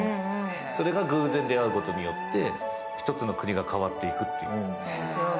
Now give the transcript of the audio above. それが偶然出会うことによって１つの国が変わっていく。